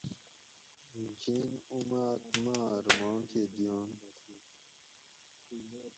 جین اُماۤت ماۤر ماکہ دیٔنت